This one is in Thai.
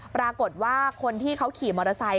ปรากฏว่าคนที่เขาขี่มอเตอร์ไซค